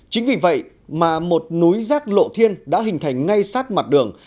chính vì vậy mà một núi rác lộ thiên đã hình thành ngay sát mặt đường